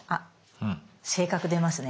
性格出ますね。